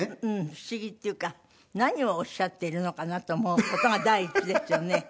不思議っていうか何をおっしゃっているのかなと思う事が第一ですよね。